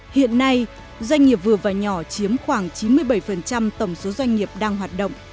hiện nay doanh nghiệp vừa và nhỏ chiếm khoảng chín mươi bảy tổng số doanh nghiệp đang hoạt động